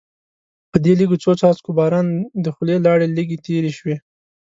په دې لږو څو څاڅکو باران د خولې لاړې لږې تېرې شوې.